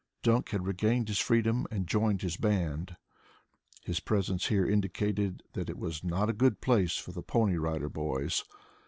Dunk had regained his freedom and had joined his band. His presence here indicated that it was not a good place for the Pony Rider Boys.